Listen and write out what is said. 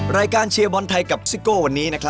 รายการเชียร์บอนไทยกับซิกโกวันนี้